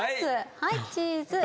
はいチーズ。